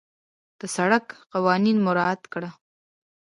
د سړک قوانين مراعت کړه.